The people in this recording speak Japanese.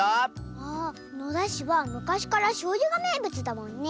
ああ野田市はむかしからしょうゆがめいぶつだもんね。